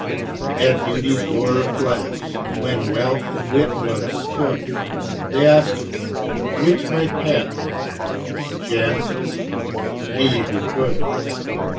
At Beauty's door of glass, When Wealth and Wit once stood, They asked her 'which might pass?" She answered, "he, who could."